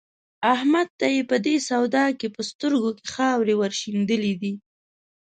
احمد ته يې په دې سودا کې په سترګو کې خاورې ور شيندلې دي.